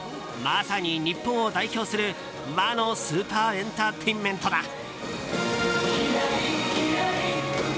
まさに、日本を代表する和のスーパーエンターテインメントだ。